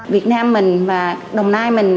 việt nam mình và đồng nai mình